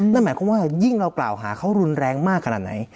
นั่นหมายความว่ายิ่งเรากล่าวหาเขารุนแรงมากขนาดไหน